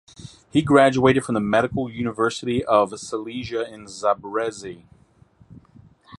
He graduated from the Medical University of Silesia in Zabrze.